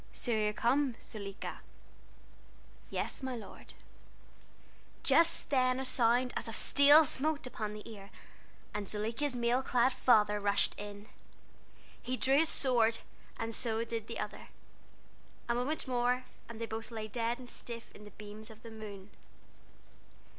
"'So you are come, Zuleika?' "'Yes, my lord.' "Just then a sound as of steel smote upon the ear, and Zuleika's mail clad father rushed in. He drew his sword, so did the other. A moment more, and they both lay dead and stiff in the beams of the moon.